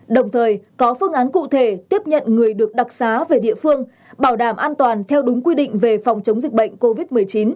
đồng thời có phương án cụ thể tiếp nhận người được đặc xá về địa phương bảo đảm an toàn theo đúng quy định về phòng chống dịch bệnh covid một mươi chín